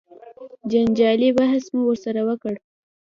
جنجالي بحث مو ورسره وکړ.